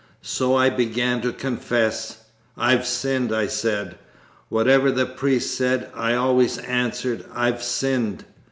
So I began to confess. "I've sinned!" I said. Whatever the priest said, I always answered "I've sinned."